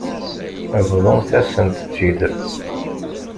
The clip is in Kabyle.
Bḍumt-asent-tt-id.